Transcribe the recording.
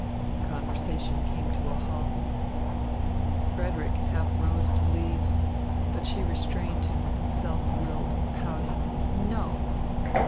Conversation came to a halt. Frederick half rose to leave, but she restrained him with a self willed, pouting, "No."